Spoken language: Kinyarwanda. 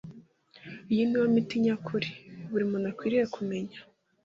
iyi ni yo miti nyakuri. Buri muntu akwiriye kumenya